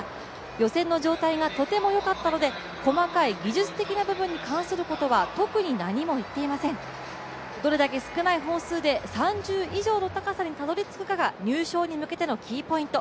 予選の状態がとてもよかったので細かい技術的な部分に関することは特に何も言っていません、どれだけ少ない本数で、３０以上の高さにたどりつくかが入賞に向けてのキーポイント。